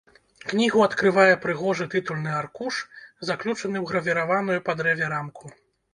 Кнігу адкрывае прыгожы тытульны аркуш, заключаны ў гравіраваную па дрэве рамку.